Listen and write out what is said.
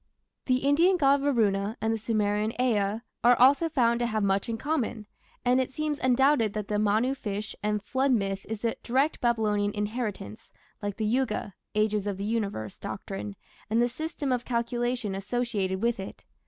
The Indian god Varuna and the Sumerian Ea are also found to have much in common, and it seems undoubted that the Manu fish and flood myth is a direct Babylonian inheritance, like the Yuga (Ages of the Universe) doctrine and the system of calculation associated with it.